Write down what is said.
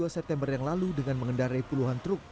dua puluh september yang lalu dengan mengendarai puluhan truk